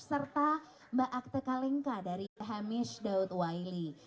serta mbak akte kalingka dari hamish daud waili